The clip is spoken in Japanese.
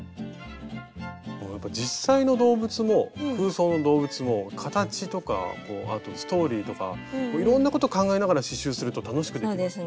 やっぱ実際の動物も空想の動物も形とかあとストーリーとかいろんなこと考えながら刺しゅうすると楽しくできます。